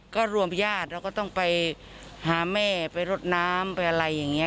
ก็รวมญาติเราก็ต้องไปหาแม่ไปรดน้ำไปอะไรอย่างนี้